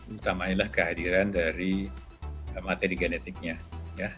utamanya lah kehadiran dari materi genetiknya ya